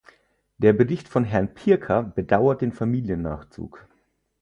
Der Bericht von Herrn Pirker bedauert den Familiennachzug.